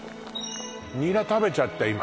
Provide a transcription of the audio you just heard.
ニラ食べちゃった